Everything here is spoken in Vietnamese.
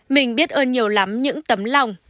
mình biết ơn nhiều lắm những tấm lòng